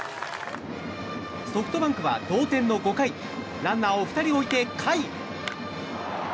ソフトバンクは同点の５回ランナーを２人置いて、甲斐。